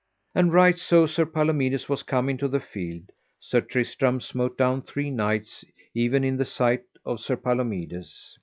And right so as Sir Palomides was come into the field Sir Tristram smote down three knights, even in the sight of Sir Palomides.